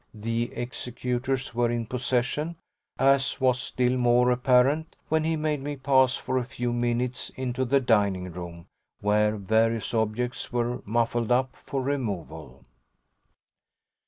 The executors were in possession, as was still more apparent when he made me pass for a few minutes into the dining room, where various objects were muffled up for removal.